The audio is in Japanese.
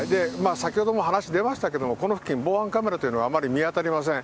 先ほども話出ましたけど、この付近、防犯カメラというのはあまり見当たりません。